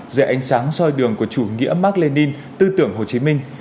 dưới ánh sáng soi đường của chủ nghĩa mark lenin tư tưởng hồ chí minh